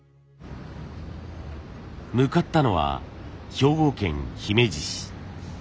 向かったのは兵庫県姫路市。